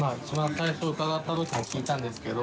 最初伺ったときも聞いたんですけど。